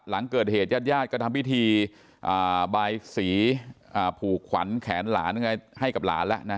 หลังเกิดเหตุญาติญาติก็ทำพิธีบายสีผูกขวัญแขนหลานให้กับหลานแล้วนะ